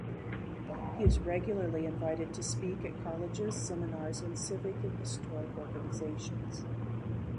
He is regularly invited to speak at colleges, seminars, and civic and historic organizations.